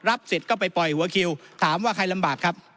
เสร็จก็ไปปล่อยหัวคิวถามว่าใครลำบากครับ